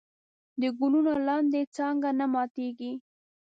د ګلونو لاندې څانګه نه ماتېږي.